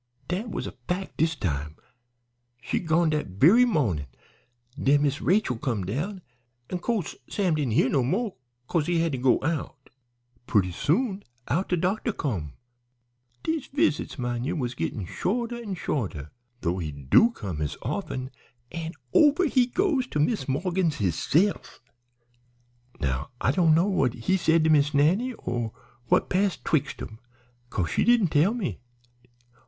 "Dat was a fac' dis time; she'd gone dat very mawnin'. Den Miss Rachel come down, an' co'se Sam didn't hear no mo' 'cause he had to go out. Purty soon out de doctor come. Dese visits, min' ye, was gittin' shorter an' shorter, though he do come as often, an' over he goes to Mis' Morgan's hisse'f. "Now I doan' know what he said to Miss Nannie, or what passed 'twixt 'em, 'cause she didn't tell me.